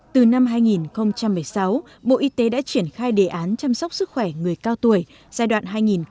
từ năm hai nghìn một mươi sáu bộ y tế đã triển khai đề án chăm sóc sức khỏe người cao tuổi giai đoạn hai nghìn một mươi sáu hai nghìn hai mươi